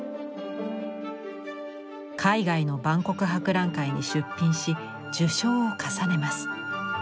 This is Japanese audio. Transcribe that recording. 海外の万国博覧会に出品し受賞を重ねます。